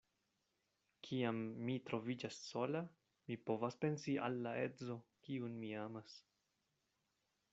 Kiam mi troviĝas sola, mi povas pensi al la edzo, kiun mi amas.